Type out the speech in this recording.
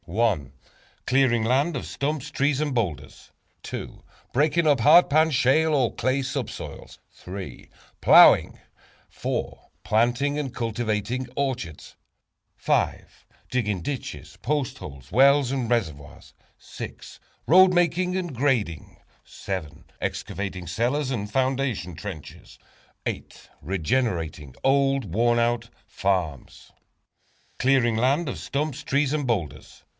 =Clearing Land of Stumps, Trees and Boulders,= =Breaking up Hard Pan, Shale, or Clay Subsoils,= =Plowing,= =Planting and Cultivating Orchards,= =Digging Ditches, Post Holes, Wells and Reservoirs,= =Road Making and Grading,= =Excavating Cellars and Foundation Trenches,= =Regenerating Old, Worn out Farms.= Clearing Land of Stumps, Boulders and Trees.